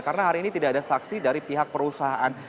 karena hari ini tidak ada saksi dari pihak perusahaan